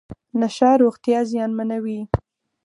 نشه روغتیا زیانمنوي .